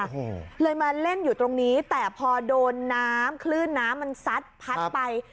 โอ้โหเลยมาเล่นอยู่ตรงนี้แต่พอโดนน้ำคลื่นน้ำมันซัดพัดไป